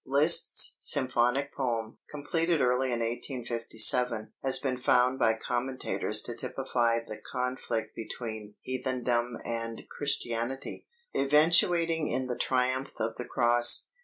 Liszt's symphonic poem (completed early in 1857) has been found by commentators to typify the conflict between Heathendom and Christianity, eventuating in the triumph of the Cross.